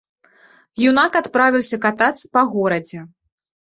Юнак адправіўся катацца па горадзе.